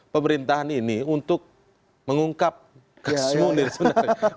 pemerintahan ini untuk mengungkap kesemudian sebenarnya